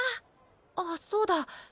あっそうだ。